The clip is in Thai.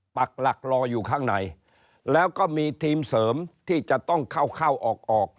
ปักหลักรออยู่ข้างในแล้วก็มีทีมเสริมที่จะต้องเข้าเข้าออกออก